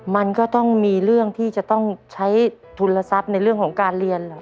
มันก็ต้องมีเรื่องที่จะต้องใช้ทุนทรัพย์ในเรื่องของการเรียน